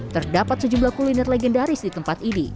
terdapat sejumlah kuliner legendaris di tempat ini